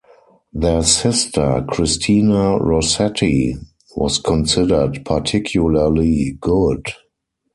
Their sister, Christina Rossetti, was considered particularly good.